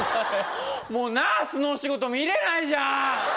もう「ナースのお仕事」見れないじゃん！